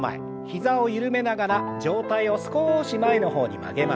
膝を緩めながら上体を少し前の方に曲げましょう。